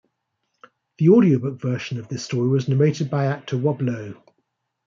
The audiobook version of this story was narrated by actor Rob Lowe.